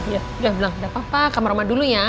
ya udah bilang tidak apa apa kamar rumah dulu ya